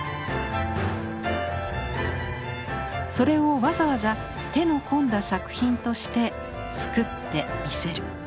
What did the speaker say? それをわざわざ手の込んだ作品として作って見せる。